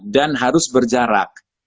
dan harus berjarak